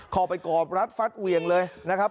คอไปกรอบรัดฟัดเวียงเลยนะครับ